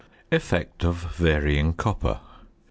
~Effect of Varying Copper.